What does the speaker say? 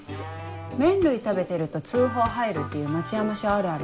麺類食べてると通報入るっていう「町山署あるある」